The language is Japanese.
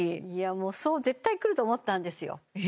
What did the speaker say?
もうそう絶対くると思ったんですよえっ？